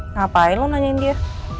ngapain lo nanyain dia